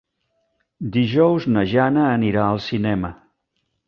Dijous na Jana anirà al cinema.